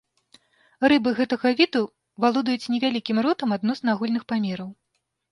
Рыбы гэтага віду валодаюць невялікім ротам адносна агульных памераў.